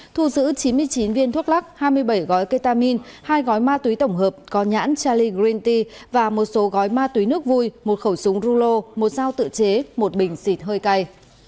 thu giữ chín mươi chín viên thuốc lắc hai mươi bảy gói ketamin hai gói ma túy tổng hợp có nhãn charligrinti và một số gói ma túy nước vui một khẩu súng rulo một dao tự chế một bình xịt hơi cay